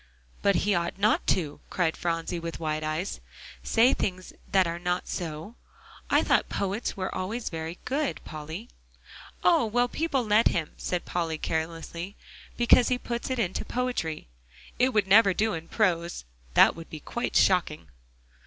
"But he ought not to," cried Phronsie, with wide eyes, "say things that are not so. I thought poets were always very good, Polly." "Oh! well, people let him," said Polly, carelessly, "because he puts it into poetry. It would never do in prose; that would be quite shocking."